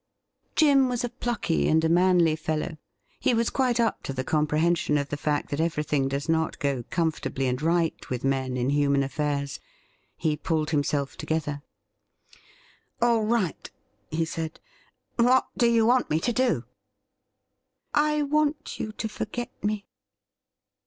Jim was a plucky and a manly fellow. He was quite up to the comprehension of the fact that everything does not go comfortably and right with men in human affairs. He pulled himself together. ' All right,' he said. ' What do you want me to do .'"'' I want you to forget me.'